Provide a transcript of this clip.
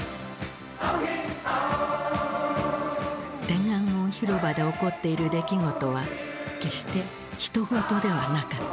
天安門広場で起こっている出来事は決してひと事ではなかった。